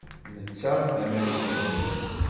Netta d Amarikani.